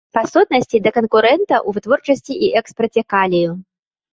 Па сутнасці, да канкурэнта ў вытворчасці і экспарце калію.